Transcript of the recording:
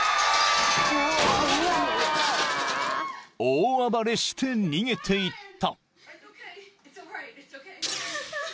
［大暴れして逃げていった］